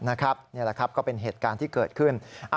นี่แหละครับก็เป็นเหตุการณ์ที่เกิดขึ้น